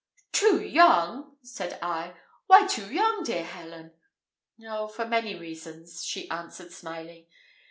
"Too young!" said I; "why too young, dear Helen?" "Oh, for many reasons," she answered, smiling.